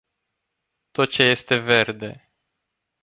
Tot ce este verde.